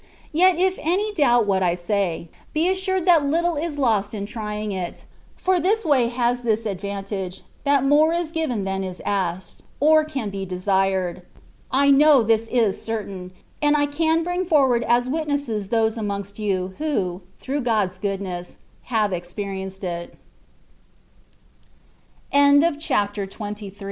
Yet if any doubt what I say, be assured that little is lost in trying it : for this way has this advantage, that more is given than is asked, or can be desired. I know this is certain; and I can bring forward as witnesses those amongst you, who, through God^s goodness, have experienced it. CHAPTER XXIV. SHE SHOWS H